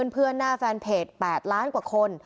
เพื่อนหน้าแฟนเพจ๘ล้านกว่าคน